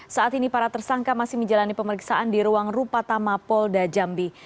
saat ini para tersangka masih menjalani pemeriksaan di ruang rupata mapolda jambi